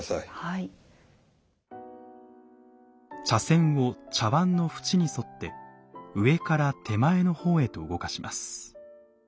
茶筅を茶碗の縁に沿って上から手前の方へと動かします。